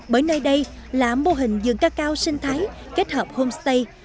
bởi nơi đây là mô hình dường ca cao sinh thái kết hợp homestay